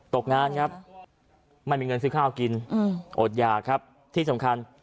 ตกงานครับไม่มีเงินซื้อข้าวกินอดหยากครับที่สำคัญ